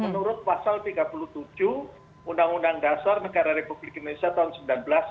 menurut pasal tiga puluh tujuh undang undang dasar negara republik indonesia tahun seribu sembilan ratus empat puluh lima